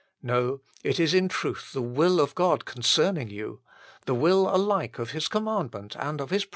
No ; it is in truth the will of God concerning you : the will alike of His commandment and of His promise.